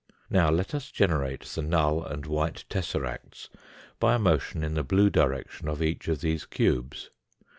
Now let us generate the null and white tesseracts by a motion in the blue direction of each of these cubes.